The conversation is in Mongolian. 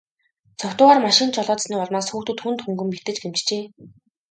Согтуугаар машин жолоодсоны улмаас хүүхдүүд хүнд хөнгөн бэртэж гэмтжээ.